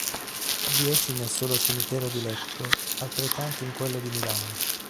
Dieci nel solo cimitero di Lecco, altrettanti in quello di Milano.